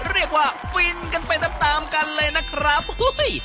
เรียกว่าฟินกันไปตามกันเลยนะครับ